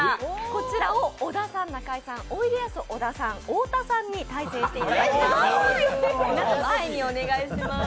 こちらを織田さん、中井さん、おいでやす小田さん、太田さんに対戦していただきます。